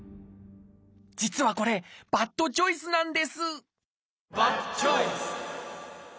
実はこれバッドチョイスなんですバッドチョイス！